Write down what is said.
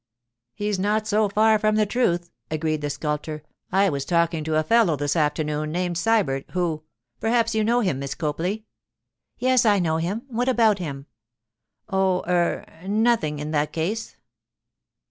'He's not so far from the truth,' agreed the sculptor. 'I was talking to a fellow this afternoon, named Sybert, who—perhaps you know him, Miss Copley?' 'Yes, I know him. What about him?' 'Oh—er—nothing, in that case.